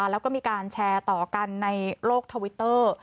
แล้วก็มีการแชร์ต่อกันในโลกทวิตเตอร์